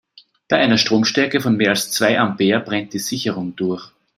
Bei einer Stromstärke von mehr als zwei Ampere brennt die Sicherung durch.